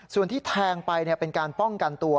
ส่วนที่แทงไปเป็นการป้องกันตัว